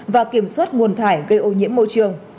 và kiểm soát nguồn thải gây ô nhiễm môi trường